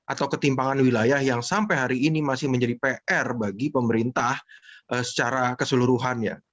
atau ketimpangan wilayah yang sampai hari ini masih menjadi pr bagi pemerintah secara keseluruhannya